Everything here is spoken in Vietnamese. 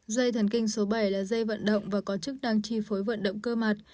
dây thần kinh số bảy là dây vận động và có chức năng chi phối vận động cơ mặt